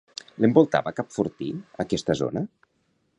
L'envoltava cap fortí aquesta zona?